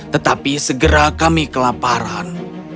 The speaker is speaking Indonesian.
tetapi segera kami kelaparan